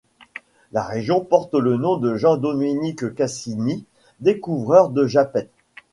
La région porte le nom de Jean-Dominique Cassini, découvreur de Japet.